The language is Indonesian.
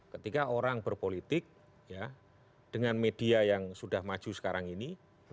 ketika orang berpolitik dengan media yang sudah maju sekarang ini